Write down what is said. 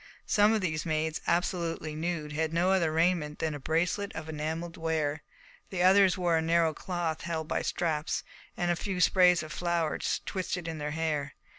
Some of these maids, absolutely nude, had no other raiment than a bracelet of enamelled ware; others wore a narrow cloth held by straps, and a few sprays of flowers twisted in their hair.